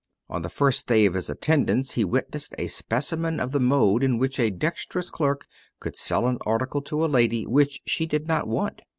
On the first day of his attendance he witnessed a specimen of the mode in which a dexterous clerk could sell an article to a lady which she did not want.